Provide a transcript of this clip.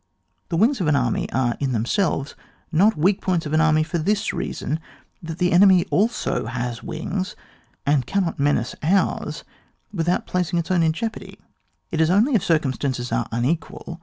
The wings of an army are in themselves not wea^ points of an army for this reason, that the enemy also has wings, and cannot menace ours without placing his own in jeopardy. It is only if circumstances are unequid.